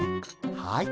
はい。